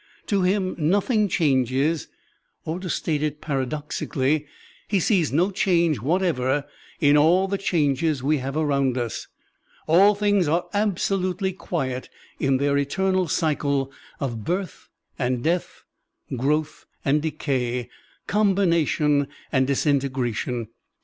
To him nothing changes, or, to state it rather paradoxically, he sees no change whatever in all the changes we have around us; all things are absolutely quiet in their eternal cycle of birth and death, growth and decay, combination and disintegration.